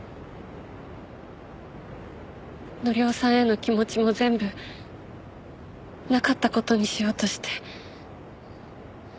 紀夫さんへの気持ちも全部なかった事にしようとして。